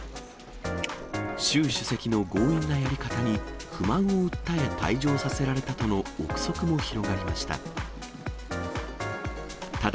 習主席の強引なやり方に不満を訴え、退場させられたとの臆測も広がりました。